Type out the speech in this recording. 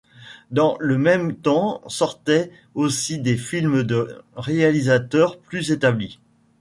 Dans le même temps sortaient aussi des films de réalisateurs plus établis.